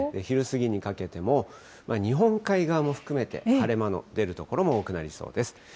昼過ぎにかけても日本海側も含めて、晴れ間の出る所も多くなりそうです。